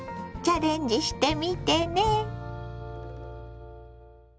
チャレンジしてみてね。